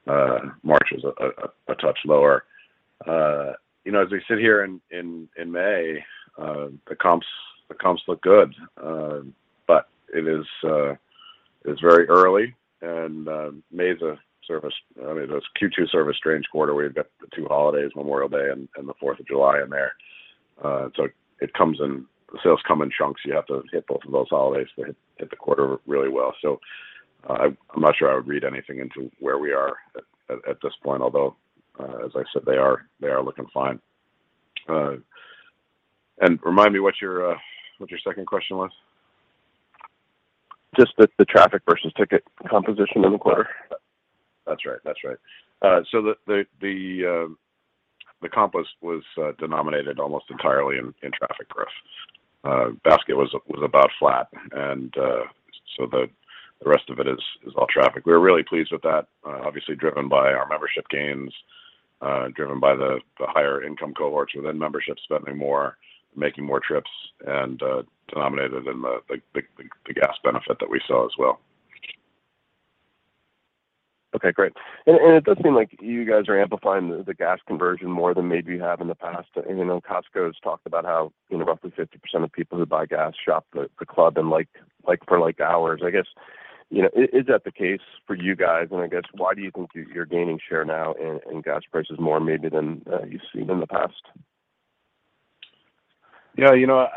March was a touch lower. You know, as we sit here in May, the comps look good. But it is very early and May's a sort of strange quarter. I mean, it was Q2 sort of strange quarter. We've got the two holidays, Memorial Day and the Fourth of July in there. It comes in, the sales come in chunks. You have to hit both of those holidays to hit the quarter really well. I'm not sure I would read anything into where we are at this point, although, as I said, they are looking fine. Remind me what your second question was. Just the traffic versus ticket composition in the quarter. That's right. The comp was denominated almost entirely in traffic growth. Basket was about flat. The rest of it is all traffic. We're really pleased with that, obviously driven by our membership gains, driven by the higher income cohorts within membership spending more, making more trips and denominated in the gas benefit that we saw as well. Okay, great. It does seem like you guys are amplifying the gas conversion more than maybe you have in the past. You know, Costco has talked about how, you know, roughly 50% of people who buy gas shop the club and like for like hours. I guess, you know, is that the case for you guys? I guess why do you think you're gaining share now in gas prices more maybe than you've seen in the past? Yeah, you know,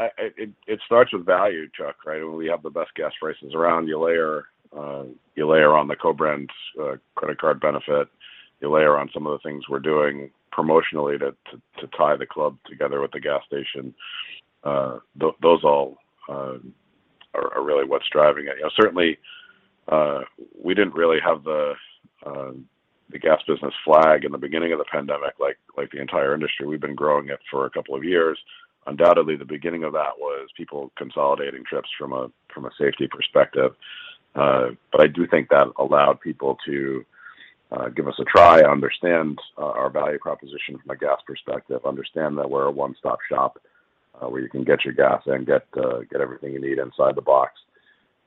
it starts with value, Chuck, right? When we have the best gas prices around, you layer on the co-brand credit card benefit. You layer on some of the things we're doing promotionally to tie the club together with the gas station. Those all are really what's driving it. You know, certainly, we didn't really have the gas business flag in the beginning of the pandemic, like the entire industry. We've been growing it for a couple of years. Undoubtedly, the beginning of that was people consolidating trips from a safety perspective. I do think that allowed people to give us a try, understand our value proposition from a gas perspective, understand that we're a one-stop-shop where you can get your gas and get everything you need inside the box.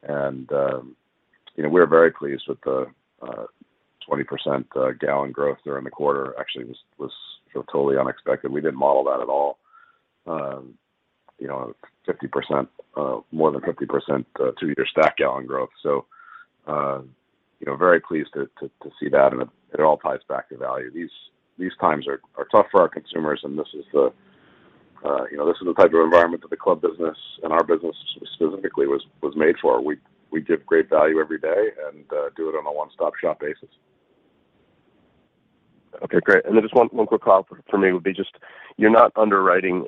You know, we're very pleased with the 20% gallon growth during the quarter actually was totally unexpected. We didn't model that at all. You know, 50%, more than 50%, two-year stack gallon growth. You know, very pleased to see that, and it all ties back to value. These times are tough for our consumers, and this is the type of environment that the club business and our business specifically was made for. We give great value every day and do it on a one-stop-shop basis. Okay, great. Just one quick follow-up for me would be just you're not underwriting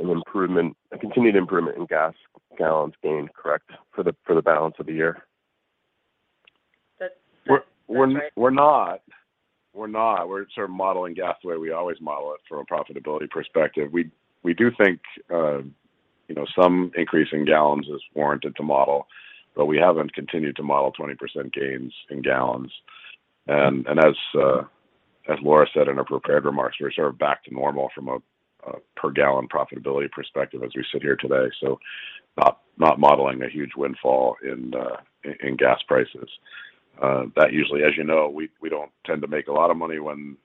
a continued improvement in gas gallons gained, correct, for the balance of the year? We're not. We're sort of modeling gas the way we always model it from a profitability perspective. We do think, you know, some increase in gallons is warranted to model, but we haven't continued to model 20% gains in gallons. As Laura said in her prepared remarks, we're sort of back to normal from a per gallon profitability perspective as we sit here today. Not modeling a huge windfall in gas prices. That usually, as you know, we don't tend to make a lot of money when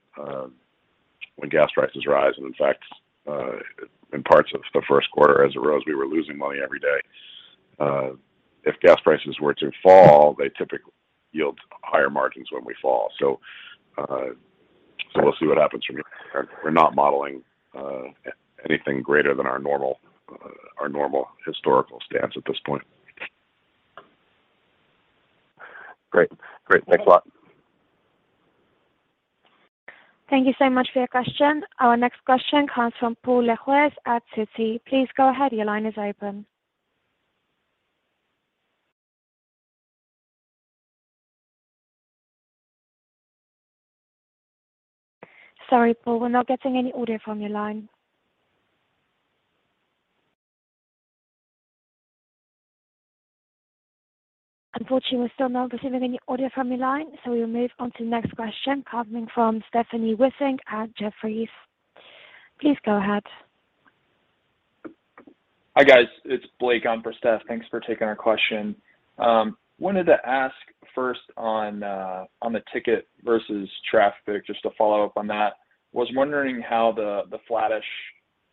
gas prices rise. In fact, in parts of the first quarter as it rose, we were losing money every day. If gas prices were to fall, they typically yield higher margins when they fall. We'll see what happens from here. We're not modeling anything greater than our normal historical stance at this point. Great. Thanks a lot. Thank you so much for your question. Our next question comes from Paul Lejuez at Citi. Please go ahead. Your line is open. Sorry, Paul. We're not getting any audio from your line. Unfortunately, we're still not receiving any audio from your line, so we'll move on to the next question coming from Stephanie Wissink at Jefferies. Please go ahead. Hi, guys. It's Blake on for Stephanie. Thanks for taking our question. Wanted to ask first on the ticket versus traffic, just to follow up on that. Was wondering how the flattish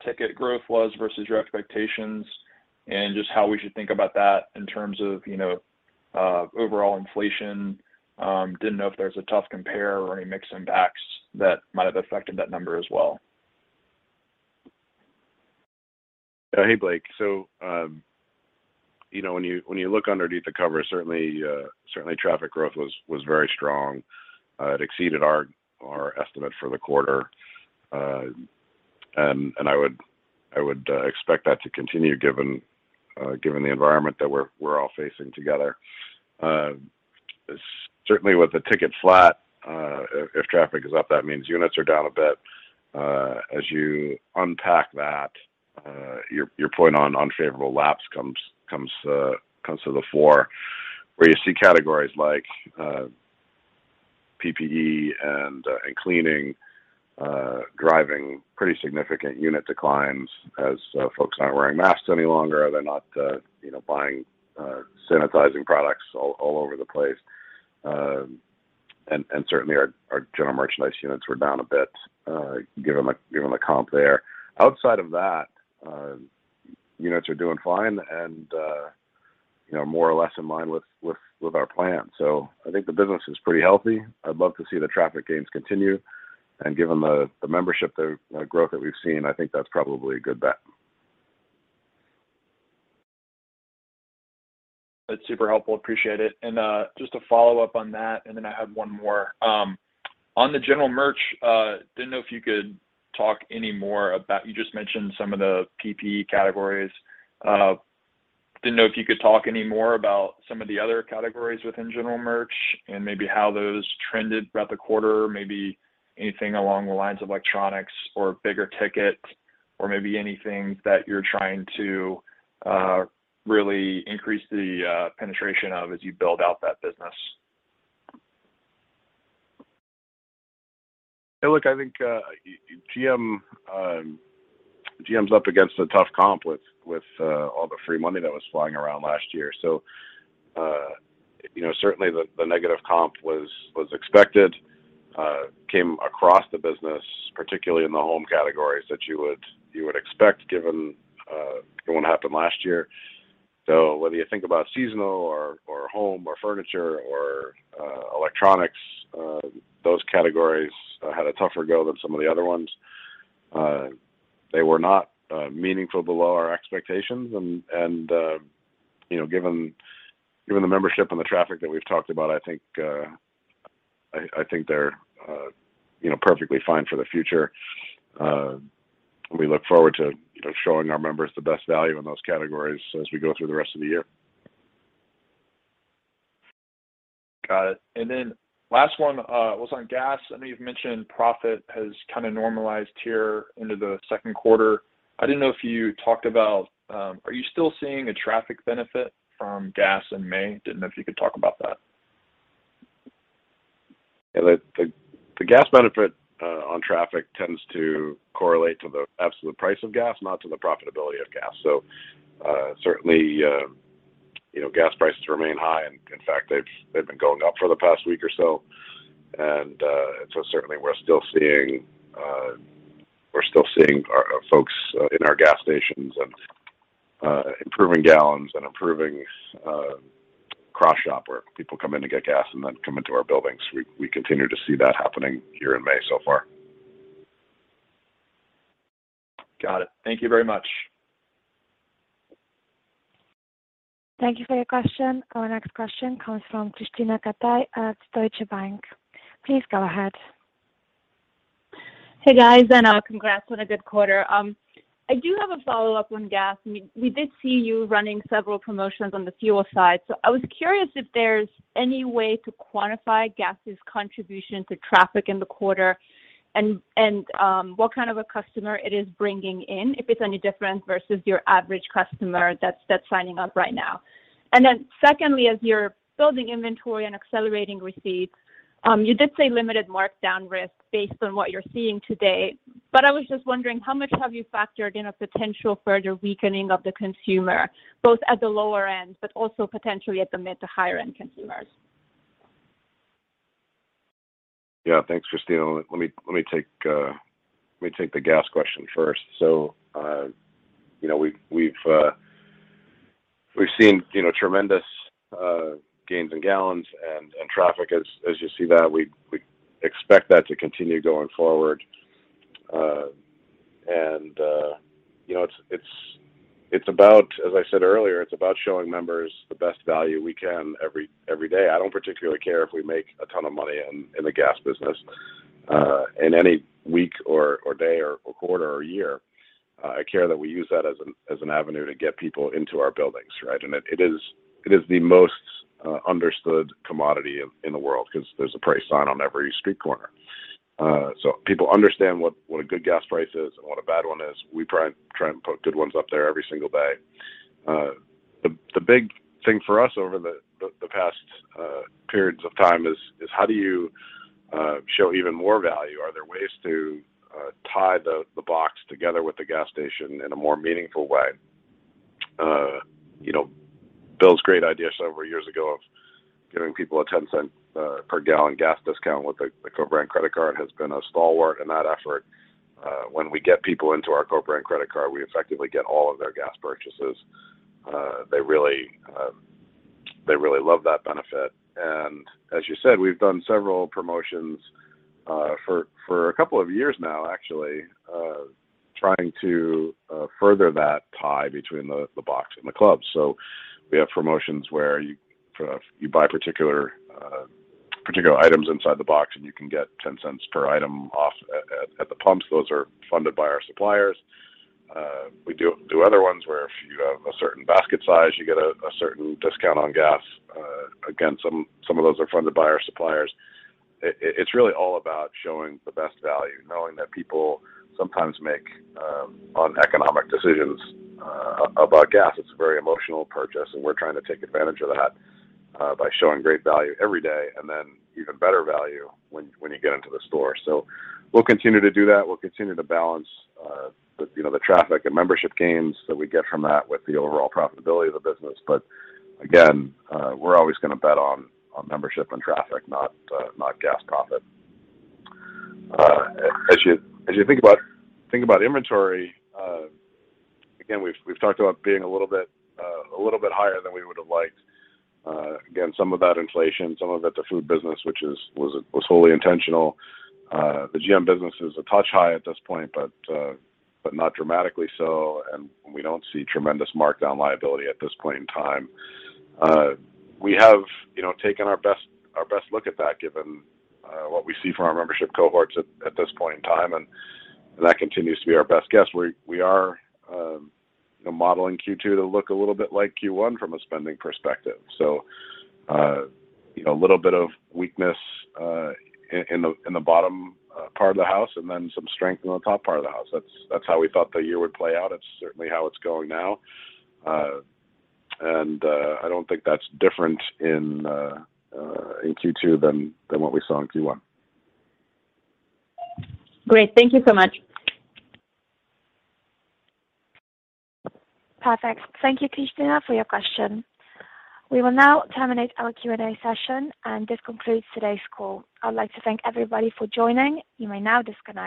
ticket growth was versus your expectations and just how we should think about that in terms of you know overall inflation. Didn't know if there was a tough compare or any mix impacts that might have affected that number as well. Yeah. Hey, Blake. You know, when you look underneath the cover, certainly traffic growth was very strong. It exceeded our estimate for the quarter. I would expect that to continue given the environment that we're all facing together. Certainly with the ticket flat, if traffic is up, that means units are down a bit. As you unpack that, your point on unfavorable laps comes to the fore, where you see categories like PPE and cleaning driving pretty significant unit declines as folks not wearing masks any longer. They're not, you know, buying sanitizing products all over the place. Certainly our general merchandise units were down a bit, given the comp there. Outside of that, units are doing fine and you know, more or less in line with our plan. I think the business is pretty healthy. I'd love to see the traffic gains continue. Given the membership growth that we've seen, I think that's probably a good bet. That's super helpful, appreciate it. Just to follow up on that, and then I have one more. On the general merch, didn't know if you could talk any more about you just mentioned some of the PP categories. Didn't know if you could talk any more about some of the other categories within general merch and maybe how those trended throughout the quarter, maybe anything along the lines of electronics or bigger ticket or maybe anything that you're trying to really increase the penetration of as you build out that business. Hey, look, I think GM's up against a tough comp with all the free money that was flying around last year. You know, certainly the negative comp was expected, came across the business, particularly in the home categories that you would expect given what happened last year. Whether you think about seasonal or home or furniture or electronics, those categories had a tougher go than some of the other ones. They were not meaningful below our expectations. You know, given the membership and the traffic that we've talked about, I think they're, you know, perfectly fine for the future. We look forward to, you know, showing our members the best value in those categories as we go through the rest of the year. Got it. Last one was on gas. I know you've mentioned profit has kinda normalized here into the second quarter. I didn't know if you talked about are you still seeing a traffic benefit from gas in May? Didn't know if you could talk about that. Yeah. The gas benefit on traffic tends to correlate to the absolute price of gas, not to the profitability of gas. Certainly, you know, gas prices remain high, and in fact, they've been going up for the past week or so. Certainly we're still seeing our folks in our gas stations and improving gallons and improving cross-shop, where people come in to get gas and then come into our buildings. We continue to see that happening here in May so far. Got it. Thank you very much. Thank you for your question. Our next question comes from Krisztina Katai at Deutsche Bank. Please go ahead. Hey, guys, and congrats on a good quarter. I do have a follow-up on gas. We did see you running several promotions on the fuel side, so I was curious if there's any way to quantify gas' contribution to traffic in the quarter and what kind of a customer it is bringing in, if it's any different versus your average customer that's signing up right now. Then secondly, as you're building inventory and accelerating receipts, you did say limited markdown risk based on what you're seeing today, but I was just wondering how much have you factored in a potential further weakening of the consumer, both at the lower end, but also potentially at the mid to higher end consumers? Yeah. Thanks, Krisztina. Let me take the gas question first. You know, we've seen, you know, tremendous gains in gallons and traffic as you see that. We expect that to continue going forward. You know, it's about as I said earlier, it's about showing members the best value we can every day. I don't particularly care if we make a ton of money in the gas business in any week or day or quarter or year. I care that we use that as an avenue to get people into our buildings, right? It is the most understood commodity in the world 'cause there's a price sign on every street corner. People understand what a good gas price is and what a bad one is. We try and put good ones up there every single day. The big thing for us over the past periods of time is how do you show even more value? Are there ways to tie the box together with the gas station in a more meaningful way? You know, Bill's great idea several years ago of giving people a $0.10 per gallon gas discount with the co-brand credit card has been a stalwart in that effort. When we get people into our co-brand credit card, we effectively get all of their gas purchases. They really love that benefit. As you said, we've done several promotions for a couple of years now actually, trying to further that tie between the box and the club. We have promotions where you buy particular items inside the box, and you can get $0.10 per item off at the pumps. Those are funded by our suppliers. We do other ones where if you have a certain basket size, you get a certain discount on gas. Again, some of those are funded by our suppliers. It's really all about showing the best value, knowing that people sometimes make uneconomic decisions about gas. It's a very emotional purchase, and we're trying to take advantage of that by showing great value every day and then even better value when you get into the store. We'll continue to do that. We'll continue to balance the you know the traffic and membership gains that we get from that with the overall profitability of the business. Again, we're always gonna bet on membership and traffic, not gas profit. As you think about inventory, again, we've talked about being a little bit higher than we would have liked. Again, some of that inflation, some of it the food business, which was wholly intentional. The GM business is a touch high at this point, but not dramatically so, and we don't see tremendous markdown liability at this point in time. We have, you know, taken our best look at that given what we see from our membership cohorts at this point in time, and that continues to be our best guess. We are, you know, modeling Q2 to look a little bit like Q1 from a spending perspective. You know, a little bit of weakness in the bottom part of the house and then some strength in the top part of the house. That's how we thought the year would play out. It's certainly how it's going now. I don't think that's different in Q2 than what we saw in Q1. Great. Thank you so much. Perfect. Thank you, Krisztina, for your question. We will now terminate our Q&A session, and this concludes today's call. I'd like to thank everybody for joining. You may now disconnect.